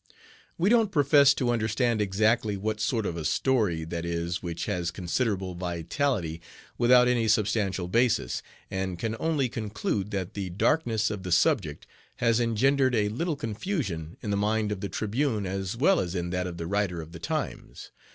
"We don't profess to understand exactly what sort of a story that is which has 'considerable vitality' without any substantial basis, and can only conclude that the darkness of the subject has engendered a little confusion in the mind of the Tribune as well as in that of the writer of the Times.